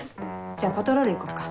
じゃパトロール行こっか。